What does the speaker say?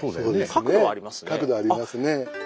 角度ありますね。